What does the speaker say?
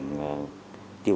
của các nhà máy công nghiệp